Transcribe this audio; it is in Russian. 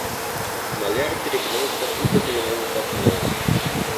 Маляр перегнулся и заглянул в окно.